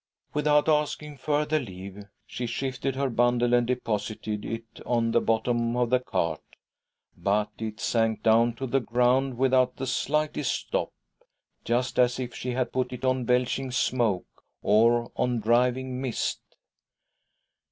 Without asking further leave, she shifted her bundle and deposited it on the bottom of the cart — but At sank down to the ground without the slightest stop, just as if she had put it on belching smoke, or on driving mist.